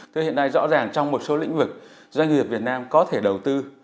thế hiện nay rõ ràng trong một số lĩnh vực doanh nghiệp việt nam có thể đầu tư